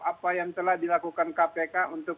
apa yang telah dilakukan kpk untuk